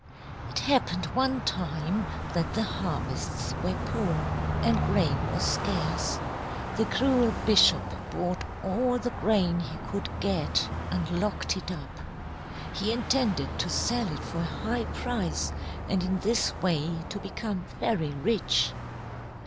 It happened one time that the harvests were poor and grain was scarce. The cruel bishop bought all the grain he could get and locked it up. He intended to sell it for a high price, and in this way to become very rich.